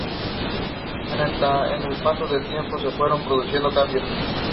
Con el paso del tiempo se fueron produciendo cambios.